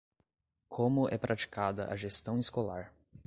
Como é praticada a gestão escolar